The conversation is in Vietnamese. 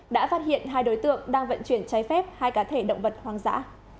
đã phát hiện hai đối tượng đang vận chuyển trái phép hai cá thể động vật hoang dã